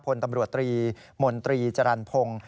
พลตำรวจตรีมนตรีจรรพงศ์